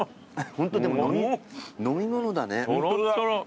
ホントでも飲み物だね。